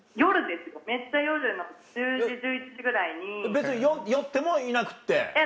別に酔ってもいなくって？